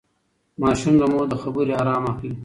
ماشوم د مور له خبرې ارام اخلي.